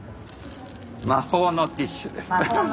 魔法のティッシュ？